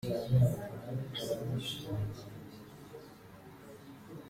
Bubiligi Bayisenge ahangayikishijwe n’ubukonje